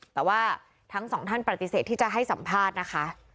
แต่ว่าทั้งสองท่านปฏิเสธที่จะให้สัมภาษณ์นะคะ